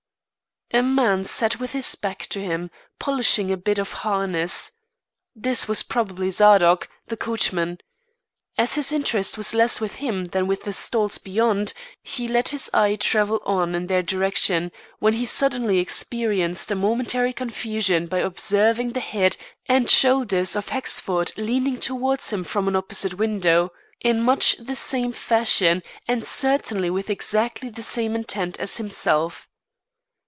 A man sat with his back to him, polishing a bit of harness. This was probably Zadok, the coachman. As his interest was less with him than with the stalls beyond, he let his eye travel on in their direction, when he suddenly experienced a momentary confusion by observing the head and shoulders of Hexford leaning towards him from an opposite window in much the same fashion, and certainly with exactly the same intent, as himself.